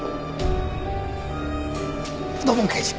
土門刑事。